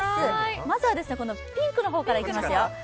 まずはピンクの方からいきますよ。